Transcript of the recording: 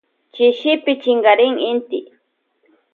Chishipi chinkarin inti.